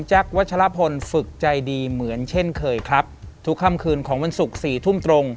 วัชลพลฝึกใจดีเหมือนเช่นเคยครับทุกค่ำคืนของวันศุกร์สี่ทุ่มตรง